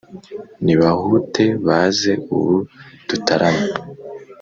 Nibahute baze ubu dutarame